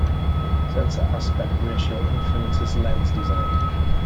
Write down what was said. Sensor aspect ratio influences lens design.